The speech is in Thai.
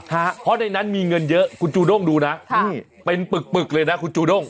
เพราะในนั้นมีเงินเยอะคุณจูด้งดูนะนี่เป็นปึกปึกเลยนะคุณจูด้ง